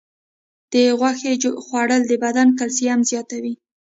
د غوښې خوړل د بدن کلسیم زیاتوي.